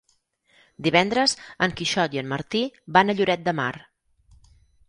Divendres en Quixot i en Martí van a Lloret de Mar.